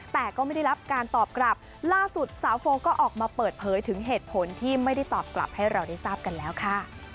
แต่ก็ไม่ได้รับการตอบกลับล่าสุดสาวโฟก็ออกมาเปิดเผยถึงเหตุผลที่ไม่ได้ตอบกลับให้เราได้ทราบกันแล้วค่ะ